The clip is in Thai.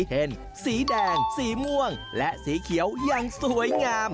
เห็นสีแดงสีม่วงและสีเขียวอย่างสวยงาม